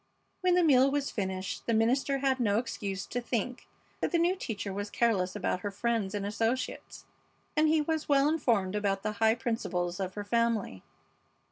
When the meal was finished the minister had no excuse to think that the new teacher was careless about her friends and associates, and he was well informed about the high principles of her family.